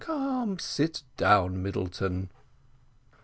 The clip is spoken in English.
Come, sit down, Middleton."